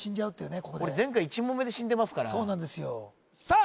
ここで俺前回１問目で死んでますからそうなんですよさあ